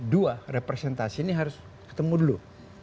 dua representasi ini harus ketemu dulu